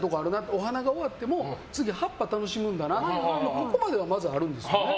お花が終わっても次、葉っぱを楽しむんだなとここまではあるんですよ。